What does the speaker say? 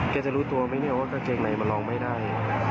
จะรู้ตัวไหมเนี่ยว่ากางเกงในมันลองไม่ได้